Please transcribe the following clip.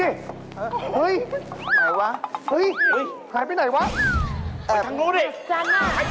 เข้าไปปลอดคอร์ผ่านลง